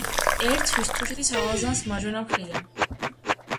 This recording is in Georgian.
ერთვის თუშეთის ალაზანს მარჯვენა მხრიდან.